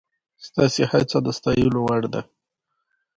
د ترخزو اوږده کالي یې اغوستل او ښایسته وو.